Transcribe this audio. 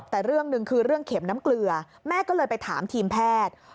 แต่เรื่องหนึ่งคือเรื่องเข็มน้ำเกลือแม่ก็เลยไปถามทีมแพทย์